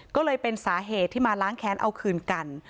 ก็เลยเป็นสาเหตุที่มาล้างแค้นเอาคืนกัน